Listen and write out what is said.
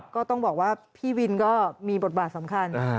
ก็ต้องบอกว่าพี่วินก็มีบทบาทสำคัญ